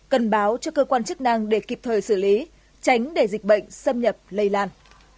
cần báo cho cơ quan chức năng để kịp thời xử lý tránh để dịch bệnh xâm nhập lây lan